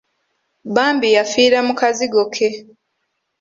Bambi yaffiira mu kazigo ke.